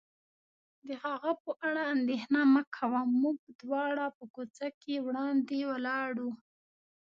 د هغه په اړه اندېښنه مه کوه، موږ دواړه په کوڅه کې وړاندې ولاړو.